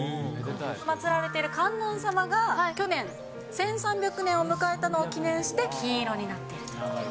祭られている観音様が去年、１３００年を迎えたのを記念して金色になっていると。